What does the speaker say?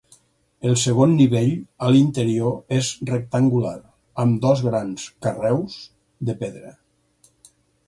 El segon nivell a l'interior és rectangular amb dos grans carreus de pedra.